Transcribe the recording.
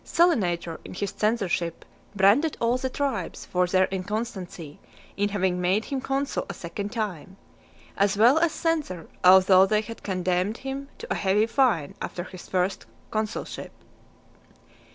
Salinator, in his censorship , branded all the tribes, for their inconstancy in having made him consul a second time, as well as censor, although they had condemned him to a heavy fine after his first consulship.